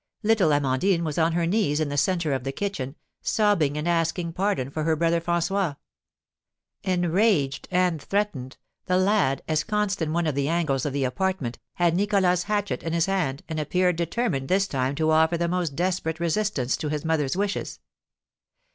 Little Amandine was on her knees in the centre of the kitchen, sobbing and asking pardon for her Brother François. Enraged and threatened, the lad, ensconced in one of the angles of the apartment, had Nicholas's hatchet in his hand, and appeared determined this time to offer the most desperate resistance to his mother's wishes.